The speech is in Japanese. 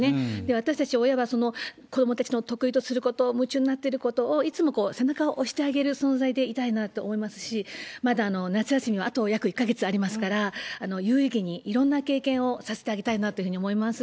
私たち親は、子どもたちの得意とすること、夢中になってることを、いつも背中を押してあげる存在でいたいなって思いますし、まだ夏休みはあと約１か月ありますから、有意義に、いろんな経験をさせてあげたいなというふうに思います。